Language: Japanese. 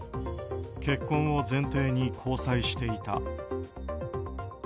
結婚を前提に交際していた。